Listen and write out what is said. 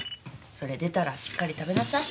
それ出たらしっかり食べなさい。